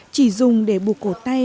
chỉ dùng để buộc cầu tay